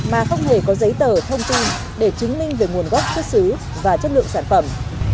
mà không hề có giấy tờ thông tin để chứng minh về nguồn gốc xuất xứ và chất lượng sản phẩm